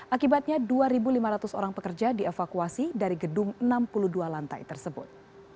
akibatnya dua lima ratus orang pekerja dievakuasi dari gedung enam puluh dua lantai tersebut